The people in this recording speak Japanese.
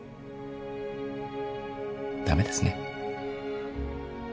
駄目ですね。